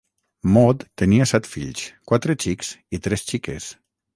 Maude tenia set fills, quatre xics i tres xiques.